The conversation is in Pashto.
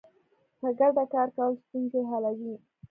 په ګډه کار کول ستونزې حلوي.